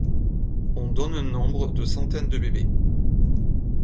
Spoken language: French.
On donne un nombre de centaines de bébés.